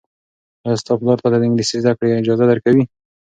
ایا ستا پلار تاته د انګلیسي زده کړې اجازه درکوي؟